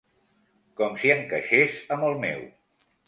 Com si encaixés amb el meu.